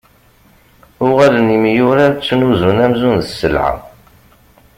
Uɣalen yemyurar ttnuzun amzun d sselɛa.